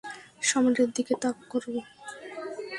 সম্রাটের দিকে তাক করো!